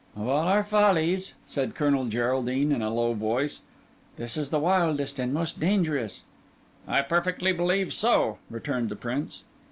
"Of all our follies," said Colonel Geraldine in a low voice, "this is the wildest and most dangerous." "I perfectly believe so," returned the Prince.